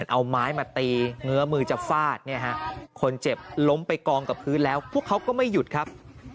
เอาไม้มาตีเงื้อมือจะฟาดเนี่ยฮะคนเจ็บล้มไปกองกับพื้นแล้วพวกเขาก็ไม่หยุดครับ